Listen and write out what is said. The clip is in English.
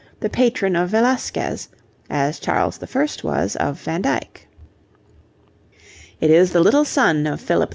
the patron of Velasquez, as Charles I. was of Van Dyck. It is the little son of Philip IV.